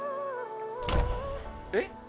えっ？